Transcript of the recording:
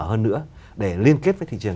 hơn nữa để liên kết với thị trường